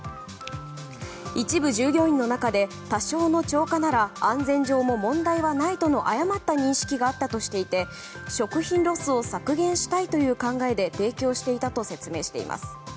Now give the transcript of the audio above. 一部従業員の中で多少の超過なら安全上も問題はないとの誤った認識があったとしていて食品ロスを削減したいという考えで提供していたと説明しています。